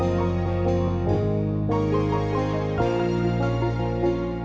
aduh aduh aduh